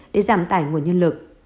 để giảm tải nguồn nhân lực